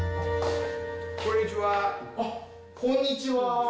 こんにちは。